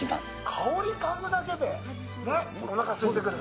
香りを嗅ぐだけで、おなか、すいてくる。